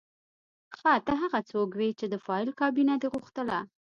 ښه ته هغه څوک وې چې د فایل کابینه دې غوښتله